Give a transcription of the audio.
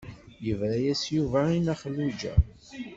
Yebra-yas Yuba i Nna Xelluǧa.